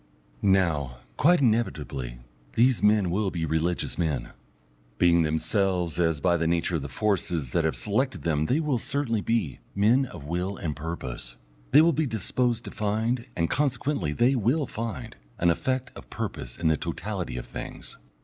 Now, quite inevitably, these men will be religious men. Being themselves, as by the nature of the forces that have selected them they will certainly be, men of will and purpose, they will be disposed to find, and consequently they will find, an effect of purpose in the totality of things.